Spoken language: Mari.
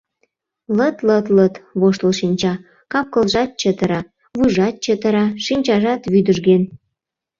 Лыт-лыт-лыт воштыл шинча, кап-кылжат чытыра, вуйжат чытыра, шинчажат вӱдыжген.